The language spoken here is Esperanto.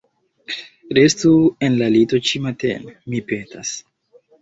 Restu en la lito ĉimatene, mi petas.